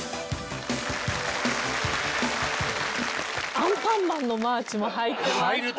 『アンパンマンのマーチ』も入ってましたね。